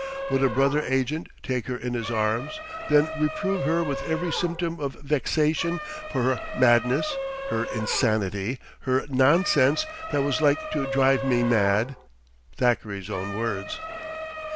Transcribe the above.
Would a brother agent take her in his arms, then reprove her with every symptom of vexation for her "madness," her "insanity," her "nonsense" that was like to "drive me mad"? Thackeray's own words!